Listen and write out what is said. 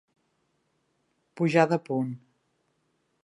Pujar de punt.